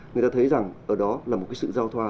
người ta thấy rằng ở đó là một cái sự giao thoa